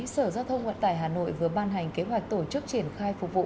sở giao thông vận tải hà nội vừa ban hành kế hoạch tổ chức triển khai phục vụ